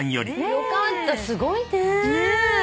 よかったすごいね。